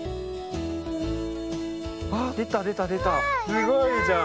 すごいじゃん。